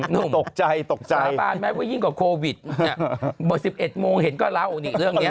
นุ่มสาปาลไหมว่ายิ่งกว่าโควิดมี๑๑โมงเห็นก็เล่านี่เรื่องนี้